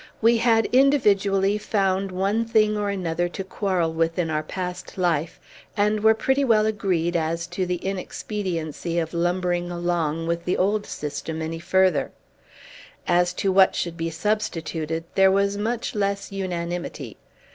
We had individually found one thing or another to quarrel with in our past life, and were pretty well agreed as to the inexpediency of lumbering along with the old system any further. As to what should be substituted, there was much less unanimity.